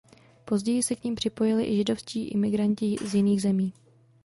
Později se k nim připojili i židovští imigranti z jiných zemí.